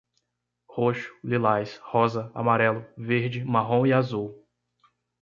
Roxo, lilás, rosa, amarelo, verde, marrom e azul